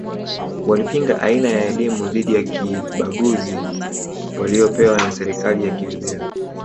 Walipinga aina ya elimu dhidi ya kibaguzi waliyopewa na serikali ya kibeberu